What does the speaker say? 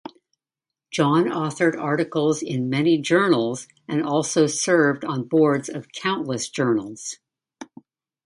John authored articles in many journals and also served on boards of countless journals.